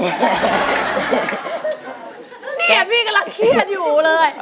เนี่ยพี่กำลังเครียดอยู่เลย